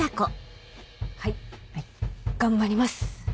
はい頑張ります。